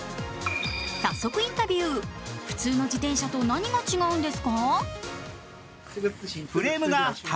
早速、インタビュー、普通の自転車と何が違うんですか？